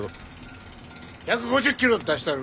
１５０キロ出したる。